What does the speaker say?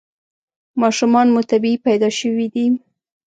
ماشومان مو طبیعي پیدا شوي دي؟